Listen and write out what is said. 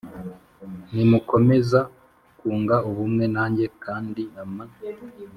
Nimukomeza kunga ubumwe nanjye kandi ama